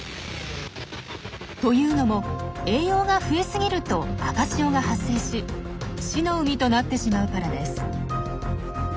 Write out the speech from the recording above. というのも栄養が増えすぎると赤潮が発生し死の海となってしまうからです。